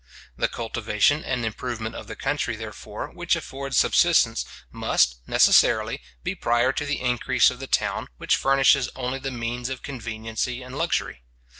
The cultivation and improvement of the country, therefore, which affords subsistence, must, necessarily, be prior to the increase of the town, which furnishes only the means of conveniency and luxury.